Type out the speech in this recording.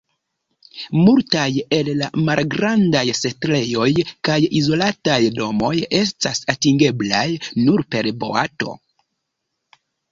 Multaj el la malgrandaj setlejoj kaj izolataj domoj estas atingeblaj nur per boato.